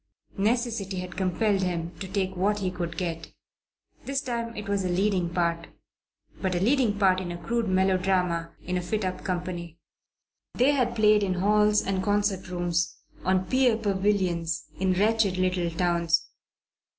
Necessity had compelled him to take what he could get. This time it was a leading part; but a leading part in a crude melodrama in a fit up company. They had played in halls and concert rooms, on pier pavilions, in wretched little towns.